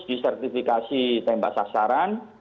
disertifikasi tembak sasaran